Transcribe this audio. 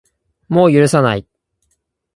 もう許さない